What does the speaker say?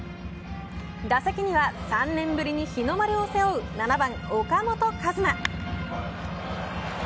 打席には３年ぶりに日の丸を背負う７番、岡本和真。